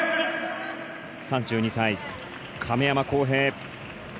３２歳、亀山耕平。